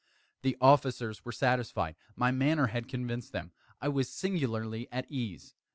The officers were satisfied. My manner had convinced them. I was singularly at ease.